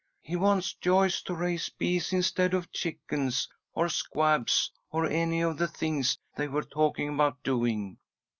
He wants Joyce to raise bees instead of chickens or squabs or any of the things they were talking about doing.